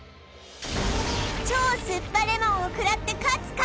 超すっぱレモンをくらって勝つか？